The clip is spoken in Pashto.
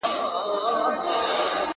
زه چي له خزان سره ژړېږم ته به نه ژاړې!